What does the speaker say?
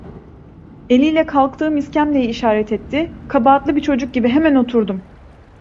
Eliyle kalktığım iskemleyi işaret etti, kabahatli bir çocuk gibi hemen oturdum.